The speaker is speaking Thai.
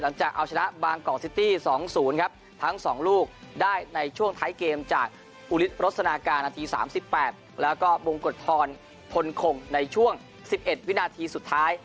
จะเอาชนะบางกอกซิตี้๒๐ครับทั้ง๒ลูกได้ในช่วงท้ายเกมจากอุฤทธรสนาการนาที๓๘แล้วก็มงกฎธรพลคงในช่วง๑๑วินาทีสุดท้าย